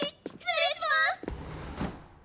失礼します！